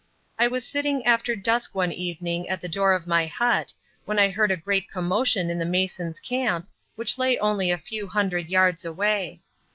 I was sitting after dusk one evening at the door of my hut, when I heard a great commotion in the masons' camp, which lay only a few hundred yards away.